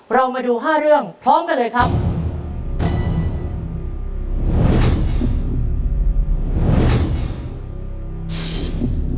เรามาดู๕เรื่องพร้อมกันเลยครับ